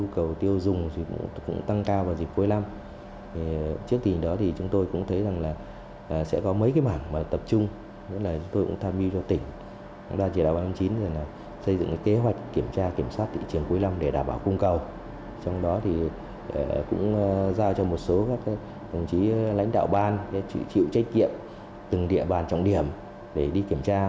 cũng giao cho một số các lãnh đạo ban chịu trách kiệm từng địa bàn trọng điểm để đi kiểm tra